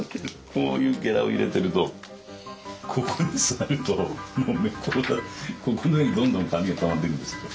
こういうゲラを入れているとここに座るとここの上にどんどん紙がたまっていくんですよ